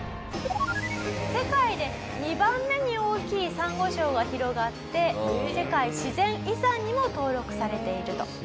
世界で２番目に大きいサンゴ礁が広がって世界自然遺産にも登録されていると。